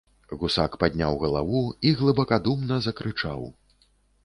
Гусак падняў галаву і глыбакадумна закрычаў.